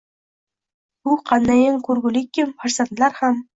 Bu qandayin koʼrgulikkim, farzandlar ham